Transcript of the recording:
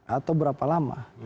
atau berapa lama